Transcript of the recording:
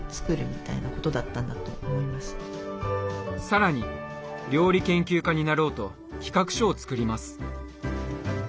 さらに料理研究家になろうと企画書を作ります。